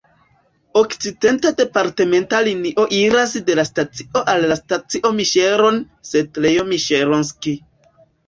Okcidente departementa linio iras de la stacio al la stacio Miŝeron (setlejo Miŝeronski).